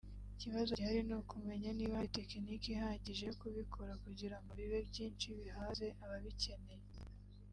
Ikibazo gihari ni ukumenya niba hari tekiniki ihagije yo kubikora kugirango bibe byinshi bihaze ababikeneye